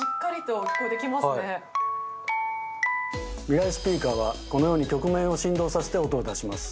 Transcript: ミライスピーカーはこのように曲面を振動させて音を出します。